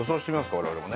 我々もね。